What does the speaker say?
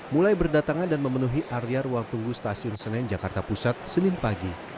mulai berdatangan dan memenuhi area ruang tunggu stasiun senen jakarta pusat senin pagi